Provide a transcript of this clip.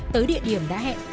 tới địa điểm đã hẹn